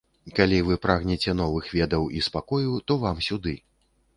Калі вы прагнеце новых ведаў і спакою, то вам сюды!